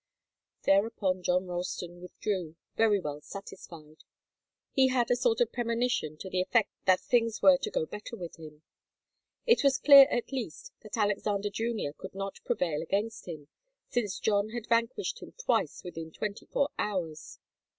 Thereupon John Ralston withdrew, very well satisfied. He had a sort of premonition to the effect that things were to go better with him. It was clear, at least, that Alexander Junior could not prevail against him, since John had vanquished him twice within twenty four hours.